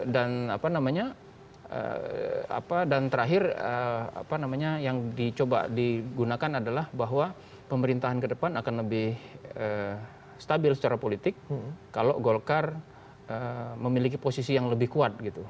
dan apa namanya apa dan terakhir apa namanya yang dicoba digunakan adalah bahwa pemerintahan kedepan akan lebih stabil secara politik kalau golkar memiliki posisi yang lebih kuat gitu